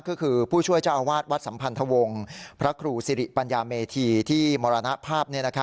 ก็คือผู้ช่วยเจ้าอาวาสวัดสัมพันธวงศ์พระครูสิริปัญญาเมธีที่มรณภาพ